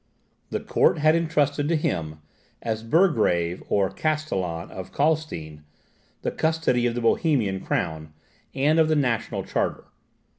The court had intrusted to him, as burgrave or castellan of Calstein, the custody of the Bohemian crown, and of the national charter.